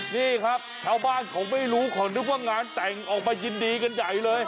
นี่ครับชาวบ้านเขาไม่รู้เขานึกว่างานแต่งออกมายินดีกันใหญ่เลย